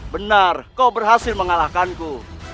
benar kau berhasil mengalahkanku